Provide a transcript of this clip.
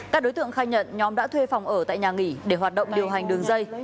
các đối tượng khai nhận nhóm đã thuê phòng ở tại nhà nghỉ để hoạt động điều hành đường dây